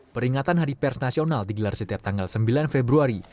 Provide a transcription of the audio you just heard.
peringatan hari pers nasional digelar setiap tanggal sembilan februari